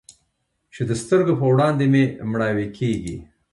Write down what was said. چې د سترګو په وړاندې مې مړواې کيږي.